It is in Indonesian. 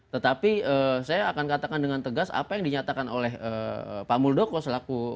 tetapi saya akan katakan dengan tegas apa yang dinyatakan oleh pak muldoko selaku kepala ksp saat ini